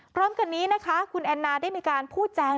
พร้อมกันนี้นะคะคุณแอนนาได้มีการพูดแจง